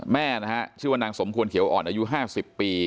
แม่นะฮะชื่อว่านางสมควรเขียวอ่อนอายุ๕๐ปี